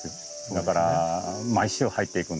だから毎週入っていくんですね。